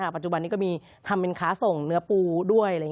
ปัจจุบันนี้ก็มีทำเป็นค้าส่งเนื้อปูด้วย